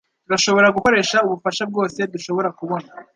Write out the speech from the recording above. Turashobora gukoresha ubufasha bwose dushobora kubona